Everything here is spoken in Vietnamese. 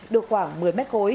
được khoảng một mươi m hai